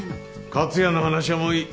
克哉の話はもういい。